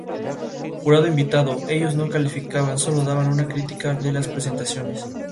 Jurado Invitado: Ellos no calificaban, solo daban una crítica de las presentaciones.